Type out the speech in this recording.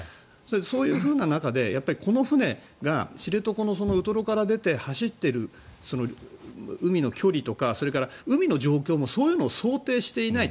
そういう中で、やっぱりこの船が知床のウトロから出て走っている海の距離とか海の状況もそういうのを想定していない。